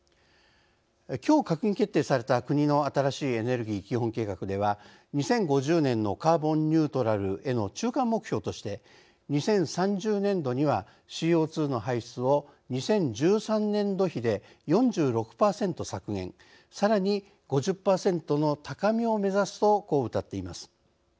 きょう閣議決定された国の新しいエネルギー基本計画では２０５０年のカーボンニュートラルへの中間目標として「２０３０年度にはＣＯ２の排出を２０１３年度比で４６％削減さらに５０％の高みを目指す」とこううたっています。